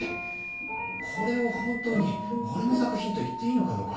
これを本当に俺の作品と言っていいのかどうか。